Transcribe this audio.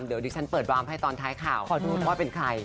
เดี๋ยวดิฉันเปิดวามให้ตอนท้ายข่าวขอดูว่าเป็นใคร